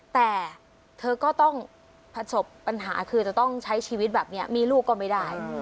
แต่เธอก็ต้องประสบปัญหาคือจะต้องใช้ชีวิตแบบนี้มีลูกก็ไม่ได้